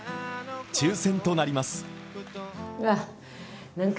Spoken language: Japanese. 抽選となります。